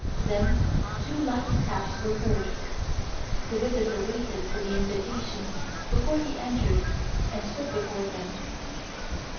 Then two light taps were heard. The visitor waited for the invitation before he entered and stood before them.